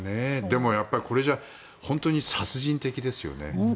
でも、これじゃ本当に殺人的ですよね。